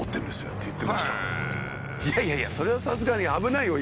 「いやいやそれはさすがに危ないよ。